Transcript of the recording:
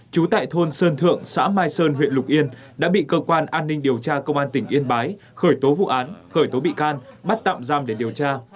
trú tại thôn sơn thượng xã mai sơn huyện lục yên đã bị cơ quan an ninh điều tra công an tỉnh yên bái khởi tố vụ án khởi tố bị can bắt tạm giam để điều tra